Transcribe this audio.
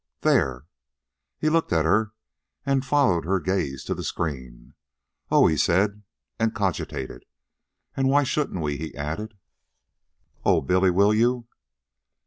"There." He looked at her, and followed her gaze to the screen. "Oh," he said, and cogitated. "An' why shouldn't we?" he added. "Oh, Billy, will you?"